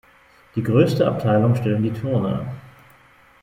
Die größte Abteilung stellen die Turner.